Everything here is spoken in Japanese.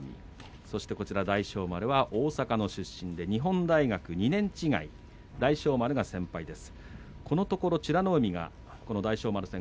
そして大翔丸は大阪の出身日本大学２年違い大翔丸が先輩です。